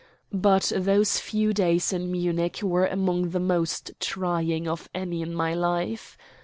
But those few days in Munich were among the most trying of any in my life.